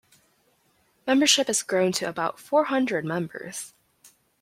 Membership has grown to about four-hundred members.